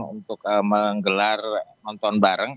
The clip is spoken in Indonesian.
untuk menggelar nonton bareng